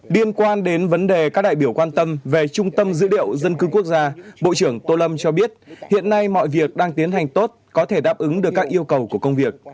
liên quan đến vấn đề các đại biểu quan tâm về trung tâm dữ liệu dân cư quốc gia bộ trưởng tô lâm cho biết hiện nay mọi việc đang tiến hành tốt có thể đáp ứng được các yêu cầu của công việc